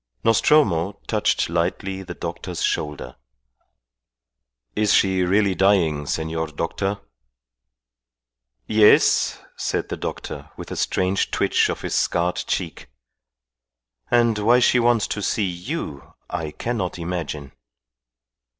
Nostromo touched lightly the doctor's shoulder. "Is she really dying, senor doctor?" "Yes," said the doctor, with a strange twitch of his scarred cheek. "And why she wants to see you I cannot imagine."